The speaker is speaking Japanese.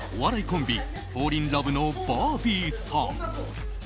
コンビフォーリンラブのバービーさん。